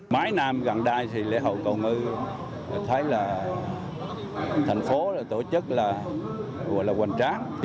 máy nam gần đây thì lễ hậu cầu ngư thấy là thành phố tổ chức là hoàn trang